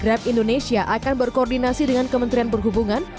grab indonesia akan berkoordinasi dengan kementerian perhubungan